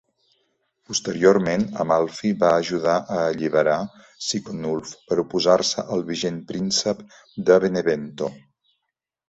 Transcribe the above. Posteriorment, Amalfi va ajudar a alliberar Siconulf per oposar-se al vigent príncep de Benevento.